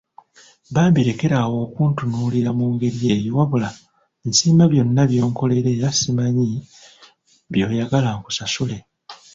Bambi lekera awo okuntunuulira mu ngeri eyo wabula nsiima byonna byonkolera era simanyi by’oyagala nkusasule.